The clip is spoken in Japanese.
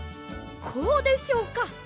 こうでしょうか？